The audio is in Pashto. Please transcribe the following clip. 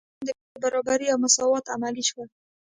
د قانون په وړاندې برابري او مساوات عملي شول.